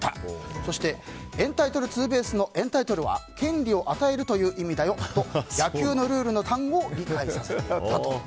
そしてエンタイトルツーベースのエンタイトルは権利を与えるという意味だよと野球のルールの単語を理解させていたと。